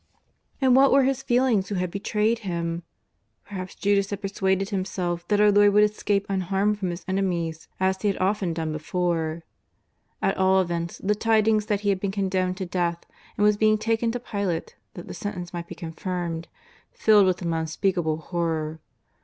And what were his feelings who had betrayed Him? Perhaps Judas had persuaded himself that our Lord would escape unharmed from His enemies as He had often done before. At all events, the tidings that He had been condemned to death, and was being taken to Pilate that the sentence might be confirmed, filled him with unspeakable horror.